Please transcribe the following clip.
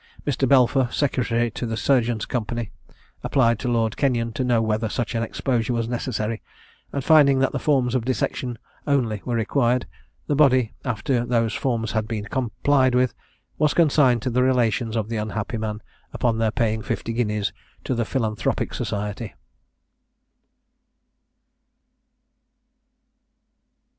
Mr. Belfour, secretary to the Surgeons' Company, applied to Lord Kenyon to know whether such an exposure was necessary; and finding that the forms of dissection only were required, the body, after those forms had been complied with, was consigned to the relations of the unhappy man, upon their paying fifty guineas to the Philanthropic Society.